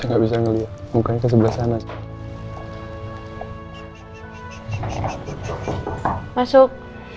enggak bisa ngelihat mukanya sebelah sana masuk